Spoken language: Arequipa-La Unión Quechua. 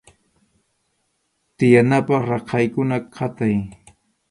Tiyanapaq raqaykuna qatay.